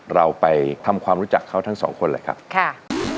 เราไปทำความรู้จักเขาทั้งสองคนเลยครับค่ะ